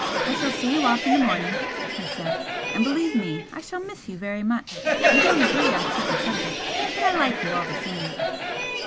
"I shall see you off in the morning," he said "And believe me I shall miss you very much. We don't agree on certain subjects but I like you all the same."